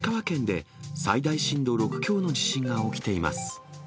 また今月５日には、石川県で最大震度６強の地震が起きています。